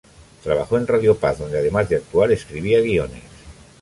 Trabajó en Radio Paz, donde además de actuar, escribía guiones.